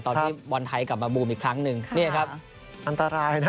ตอนที่บอลไทยกลับมาบูมอีกครั้งหนึ่งนี่ครับอันตรายนะ